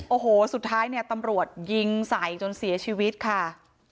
โอ้โหสุดท้ายเนี่ยตำรวจยิงใส่จนเสียชีวิตค่ะ